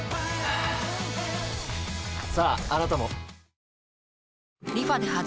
ああなたも。